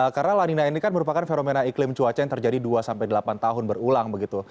karena lanina ini kan merupakan veromena iklim cuaca yang terjadi dua delapan tahun berulang begitu